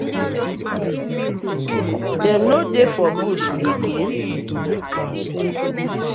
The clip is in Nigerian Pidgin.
Dem no dey for bush again?